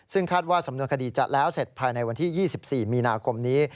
ซึ่งคาดว่าสำนวนคดีจะแล้วเสร็จภายในวันที่๒๔มีนาคมนี้